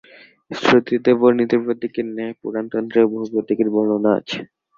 শ্রুতিতে বর্ণিত প্রতীকের ন্যায় পুরাণ-তন্ত্রেও বহু প্রতীকের বর্ণনা আছে।